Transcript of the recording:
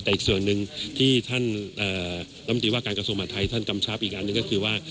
แต่อีกส่วนหนึ่งที่ท่านลำตีว่าการกระทรวงมหาทัยท่านกำชับอีกอันหนึ่งก็คือว่า